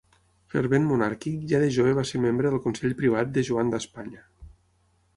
Fervent monàrquic, ja de jove va ser membre del Consell Privat de Joan d'Espanya.